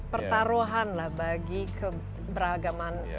pertaruhan bagi keberagaman